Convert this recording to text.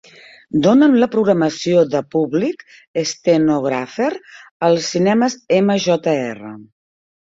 Dona'm la programació de Public Stenographer als cinemes MJR.